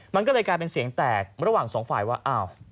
มันก็เลยกลายเป็นเสียงแตกระหว่างสองฝ่ายว่าอ้าว